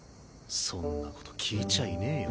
そんなこと聞いちゃいねえよ